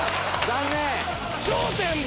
残念！